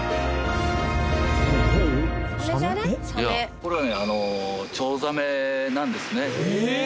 これはねあのチョウザメなんですね。